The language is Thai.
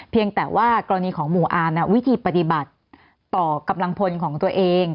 เพียงแต่ว่ากรณีของหมู่อาร์มวิธีปฏิบัติต่อกำลังพลของตัวเอง